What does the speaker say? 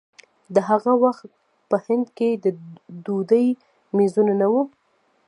د هغه وخت په هند کې د ډوډۍ مېزونه نه وو.